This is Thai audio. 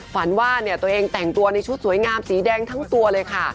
ฝันว่าตัวเองแต่งตัวในชุดสวยงามสีแดงทั้งตัวเลยค่ะ